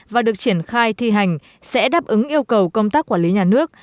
và được triển khai thi hành sẽ đáp ứng yêu cầu công tác quản lý nhà nước